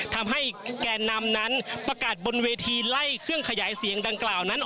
ทำให้แก่นำนั้นประกาศบนเวทีไล่เครื่องขยายเสียงดังกล่าวนั้น